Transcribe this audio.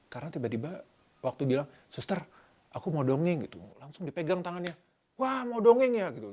karena tiba tiba waktu bilang suster aku mau dongeng gitu langsung dipegang tangannya wah mau dongeng ya gitu